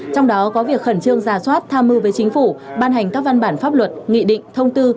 trong đó có việc khẩn trương giả soát tham mưu với chính phủ ban hành các văn bản pháp luật nghị định thông tư